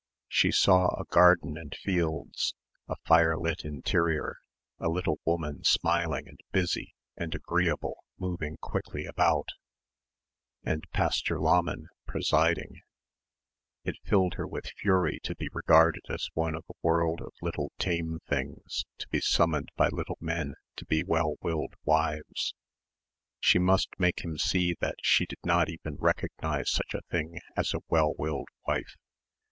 She saw a garden and fields, a firelit interior, a little woman smiling and busy and agreeable moving quickly about ... and Pastor Lahmann presiding. It filled her with fury to be regarded as one of a world of little tame things to be summoned by little men to be well willed wives. She must make him see that she did not even recognise such a thing as "a well willed wife."